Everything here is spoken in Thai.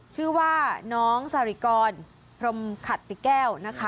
ชื่อว่าน้องสริกรพรมขัตติแก้วนะคะ